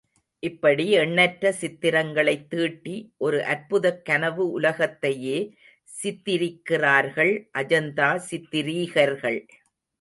இப்படி எண்ணற்ற சித்திரங்களைத் தீட்டி ஒரு அற்புதக் கனவு உலகத்தையே சித்திரிக்கிறார்கள் அஜந்தா சித்ரீகர்கள்.